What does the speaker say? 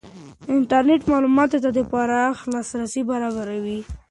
انټرنېټ معلوماتو ته پراخ لاسرسی برابروي.